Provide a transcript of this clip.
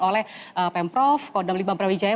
oleh pemprov kodam libang prawijaya